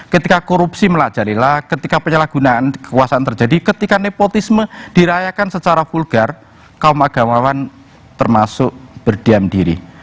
ketika korupsi melajarilah ketika penyalahgunaan kekuasaan terjadi ketika nepotisme dirayakan secara vulgar kaum agamawan termasuk berdiam diri